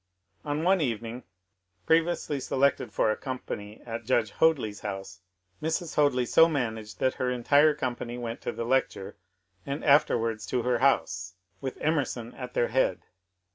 On one evening, previously selected for a company at Judge Hoadly*s house, Mrs. Hoadly so managed that her entire company went to the lecture and afterwards to her house, with Emerson at their head.